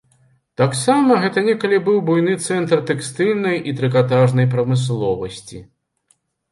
Таксама гэта некалі быў буйны цэнтр тэкстыльнай і трыкатажнай прамысловасці.